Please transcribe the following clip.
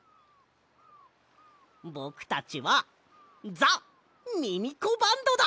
ぼくたちはザ・ミミコバンドだ！